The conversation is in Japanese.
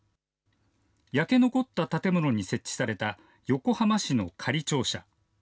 焼け残った建物に設置された横浜市の仮庁舎。